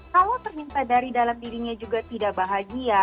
kalau ternyata dari dalam dirinya juga tidak bahagia